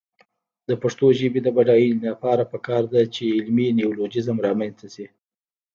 د پښتو ژبې د بډاینې لپاره پکار ده چې علمي نیولوجېزم رامنځته شي.